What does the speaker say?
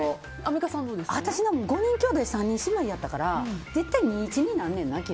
私、５人兄弟３人姉妹やったから絶対に２、１になるねんな。